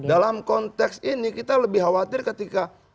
dalam konteks ini kita lebih khawatir ketika